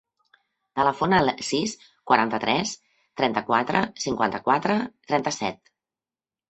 Telefona al sis, quaranta-tres, trenta-quatre, cinquanta-quatre, trenta-set.